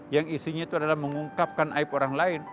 yang isinya itu adalah mengungkapkan aib orang lain